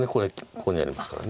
ここにありますから。